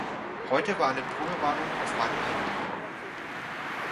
Heute war eine Probewarnung auf meinem Handy.